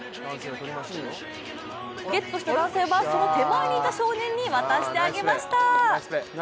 ゲットした男性はその手前にいた少年に渡してあげました。